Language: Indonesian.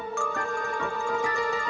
nih lu ngerti gak